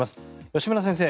吉村先生